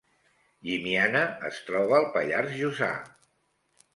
Llimiana es troba al Pallars Jussà